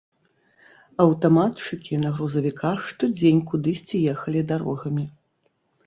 Аўтаматчыкі на грузавіках штодзень кудысьці ехалі дарогамі.